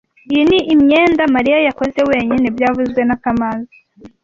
Iyi ni imyenda Mariya yakoze wenyine byavuzwe na kamanzi